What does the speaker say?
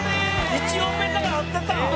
「１音目から合ってた」